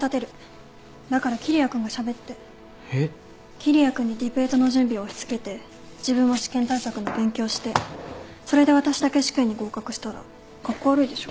桐矢君にディベートの準備押し付けて自分は試験対策の勉強してそれで私だけ試験に合格したらカッコ悪いでしょ